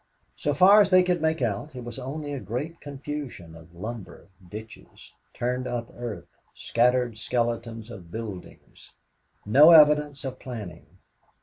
So far as they could make out, it was only a great confusion of lumber, ditches, turned up earth, scattered skeletons of buildings; no evidence of planning.